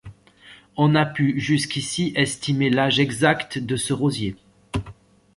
On n'a pu jusqu'ici estimer l'âge exact de ce rosier.